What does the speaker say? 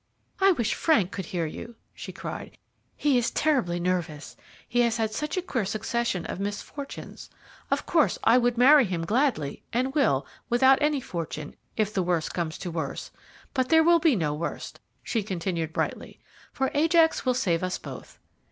"I wish Frank could hear you," she cried; "he is terribly nervous. He has had such a queer succession of misfortunes. Of course, I would marry him gladly, and will, without any fortune, if the worst comes to the worst; but there will be no worst," she continued brightly, "for Ajax will save us both."